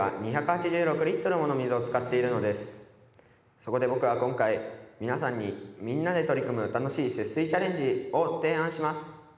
そこで僕は今回皆さんにみんなで取り組む楽しい節水チャレンジを提案します。